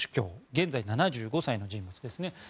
現在、７５歳の人物ですね。